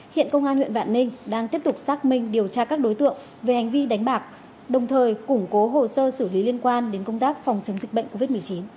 hiện công an huyện vạn ninh đang tiếp tục xác minh điều tra các đối tượng về hành vi đánh bạc đồng thời củng cố hồ sơ xử lý liên quan đến công tác phòng chống dịch bệnh covid một mươi chín